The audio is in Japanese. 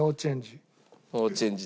ノーチェンジ。